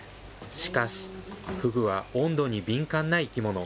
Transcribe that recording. しかし、フグは温度に敏感な生き物。